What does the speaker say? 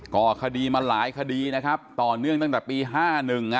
ก่อคดีมาหลายคดีนะครับต่อเนื่องตั้งแต่ปี๕๑